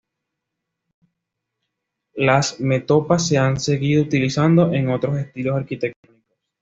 Las metopas se han seguido utilizando en otros estilos arquitectónicos.